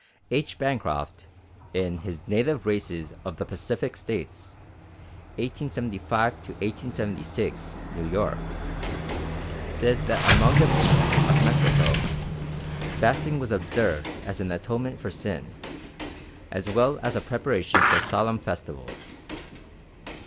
H. Bancroft, in his Native Races of the Pacific States (1875 6, New York), says that among the priests of Mexico "fasting was observed as an atonement for sin, as well as a preparation for solemn festivals.